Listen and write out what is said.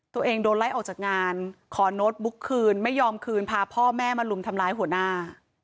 ตัวเองโดนไล่ออกจากงานขอโน้ตบุ๊กคืนไม่ยอมคืนพาพ่อแม่มาลุมทำร้ายหัวหน้า